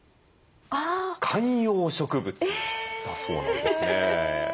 観葉植物だそうですね。